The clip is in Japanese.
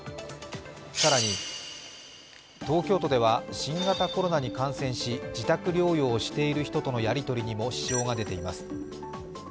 更に、東京都では新型コロナに感染し、自宅療養をしている人とのやり取りにも支障が出ています。